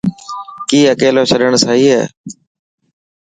ڪي اڪيلو ڇڏڻ سهي هي؟